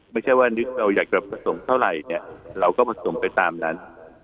ไม่ใช่ว่านึกเราอยากจะผสมเท่าไหร่เนี่ยเราก็ผสมไปตามนั้น